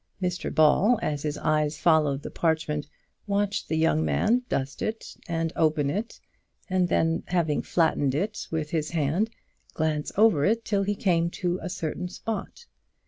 Mr Ball, as his eyes followed the parchment, watched the young man dust it and open it, and then having flattened it with his hand, glance over it till he came to a certain spot.